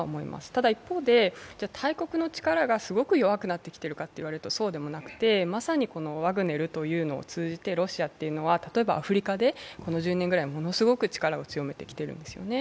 ただ一方で大国の力がすごく弱ってきているかというとそうでもなくて、まさにワグネルというのを通じてロシアというのは、例えばアフリカでこの１０年ぐらいものすごく力を強めてきているんですよね。